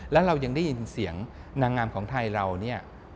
แล้วเรายังได้ยินเสียงนางงามของไทยเราเนี่ย